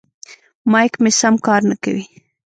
مایک مې سم کار نه کوي.